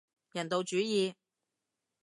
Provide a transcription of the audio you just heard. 人道主義